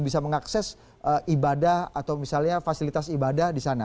bisa mengakses ibadah atau misalnya fasilitas ibadah di sana